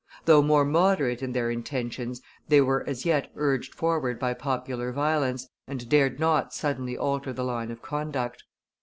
Though more moderate in their intentions, they were as yet urged forward by popular violence, and dared not suddenly alter the line of conduct.